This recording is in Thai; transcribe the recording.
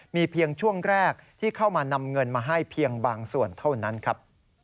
มีเพียงช่วงแรกที่เข้ามานำเงินมาให้เพียงบางส่วนเท่านั้นครับ